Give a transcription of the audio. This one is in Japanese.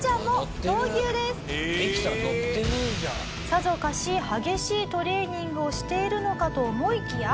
さぞかし激しいトレーニングをしているのかと思いきや。